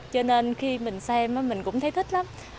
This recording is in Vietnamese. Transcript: cho nên khi mình xem mình cũng thấy thích lắm